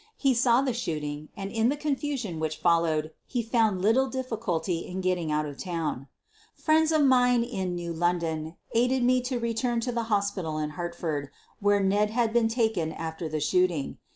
He saw the shooting, and, in the confusion which followed, he found little difficulty in getting out of town. Friends of mine in New London aided me to re / turn to the hospital in Hartford, where Ned had been taken after the shooting.